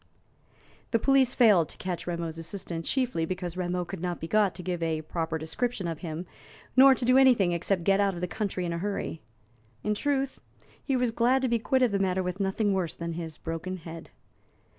The police failed to catch Rameau's assailant chiefly because Rameau could not be got to give a proper description of him, nor to do anything except get out of the country in a hurry. In truth, he was glad to be quit of the matter with nothing worse than his broken head.